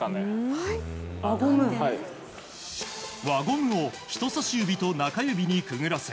輪ゴムを人差し指と中指にくぐらせ